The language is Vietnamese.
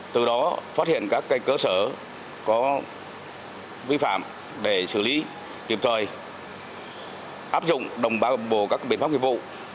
từ đó phát hiện các cơ sở có vi phạm để xử lý kiểm soát áp dụng đồng bào bộ các biện pháp dịch vụ